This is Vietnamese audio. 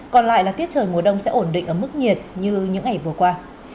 còn lại là tiết trời mùa đông sẽ ổn định ở mức nhiệt như những ngày vừa qua